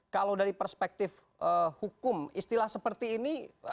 kalau dari perspektif hukum istilah seperti ini